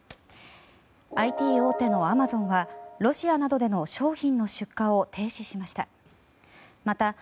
ＩＴ大手のアマゾンはロシアなどでの商品の出荷を停止しました。